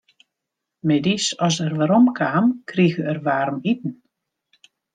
Middeis as er werom kaam, krige er waarmiten.